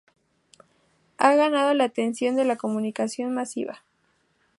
Ha ganado la atención de la comunicación masiva.